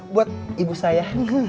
buat ibu saya